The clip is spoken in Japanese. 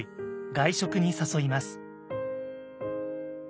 外食に誘います。